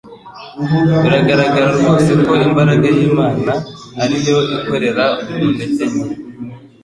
Biragaragara rwose ko imbaraga y'Imana ariyo ikorera mu ntege nke